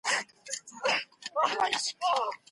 بهرنۍ پالیسي د هیواد د ملي ګټو ساتونکې ده.